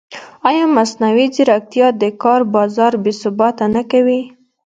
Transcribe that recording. ایا مصنوعي ځیرکتیا د کار بازار بېثباته نه کوي؟